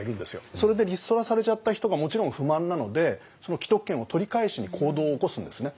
それでリストラされちゃった人がもちろん不満なのでその既得権を取り返しに行動を起こすんですね。